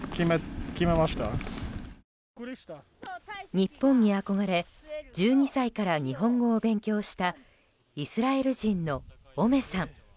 日本に憧れ１２歳から日本語を勉強したイスラエル人のオメさん。